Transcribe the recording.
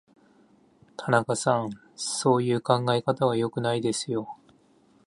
田中さん、そういう考え方は良くないですよ。